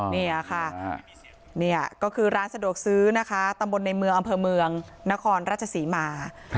นี่ค่ะนี่ก็คือร้านสะดวกซื้อนะคะตำบลในเมืองอำเภอเมืองนครราชศรีมา